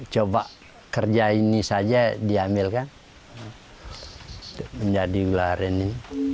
coba kerja ini saja diambilkan menjadi gula aren ini